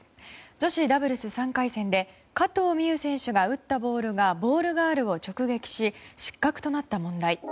女子ダブルス３回戦で加藤未唯選手が打ったボールがボールガールを直撃し失格となった問題。